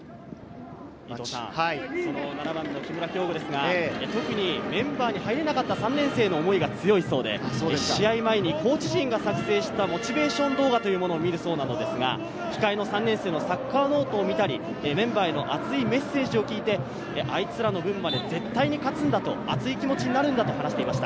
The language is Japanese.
７番の木村匡吾ですが、特にメンバーに入れなかった３年生の思いが強いそうで、試合前にコーチ陣が作成したモチベーション動画というのを見るそうですが、控えの３年生のサッカーノートを見たり、メンバーへの熱いメッセージを聞いて、あいつらの分まで絶対に勝つんだと熱い気持ちになるんだと話していました。